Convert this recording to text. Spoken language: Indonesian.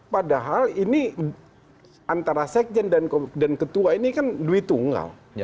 padahal ini antara sekjen dan ketua ini kan duit tunggal